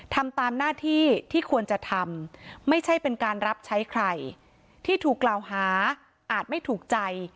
ทำตามหน้าที่ที่ควรจะทำไม่ใช่เป็นการรับใช้ใครที่ถูกกล่าวหาอาจไม่ถูกใจ